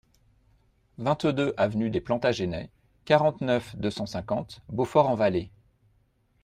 vingt-deux avenue des Plantagenêts, quarante-neuf, deux cent cinquante, Beaufort-en-Vallée